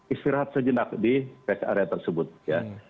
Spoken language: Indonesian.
istirahat sejenak di rest area tersebut ya